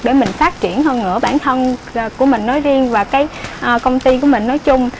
để mình phát triển hơn nữa bản thân của mình nói riêng và cái công ty của mình nói chung